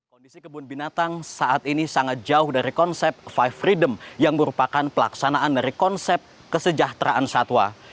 kondisi kebun binatang saat ini sangat jauh dari konsep lima freedom yang merupakan pelaksanaan dari konsep kesejahteraan satwa